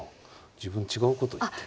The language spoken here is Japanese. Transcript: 自分違うこと言ってる。